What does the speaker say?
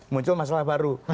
muncul masalah baru